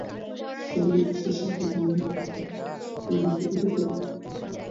স্বর্গবাসীর সংখ্যা তো অনেক, আর আমরা এই ভয়ানক পৃথিবীতে দুঃখযন্ত্রণা ভোগ করিতেছি।